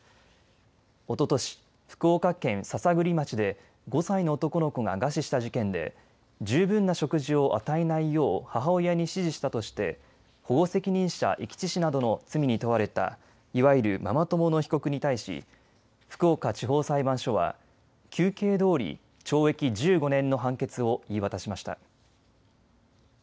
おととし福岡県篠栗町で５歳の男の子が餓死した事件で十分な食事を与えないよう母親に指示したとして保護責任者遺棄致死などの罪に問われたいわゆるママ友の被告に対し福岡地方裁判所は求刑どおり懲役１５年の判決を言い渡しました。